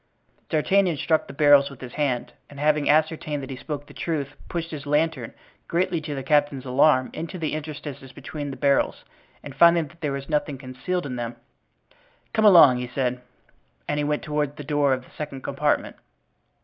D'Artagnan struck the barrels with his hand, and having ascertained that he spoke the truth, pushed his lantern, greatly to the captain's alarm, into the interstices between the barrels, and finding that there was nothing concealed in them: "Come along," he said; and he went toward the door of the second compartment.